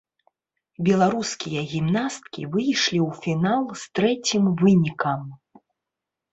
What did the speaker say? Беларускія гімнасткі выйшлі ў фінал з трэцім вынікам.